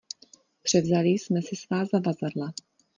Převzali jsem si svá zavazadla.